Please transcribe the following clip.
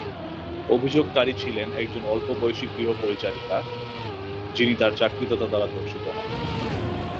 অভিযোগকারী ছিলেন একজন অল্প বয়সী গৃহপরিচারিকা, যিনি তাঁর চাকরিদাতা দ্বারা ধর্ষিত হন।